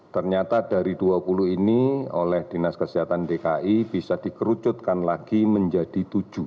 ternyata dari dua puluh ini oleh dinas kesehatan dki bisa dikerucutkan lagi menjadi tujuh